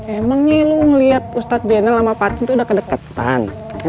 emangnya lo ngeliat ustadz jena lama patin tuh udah kedeketan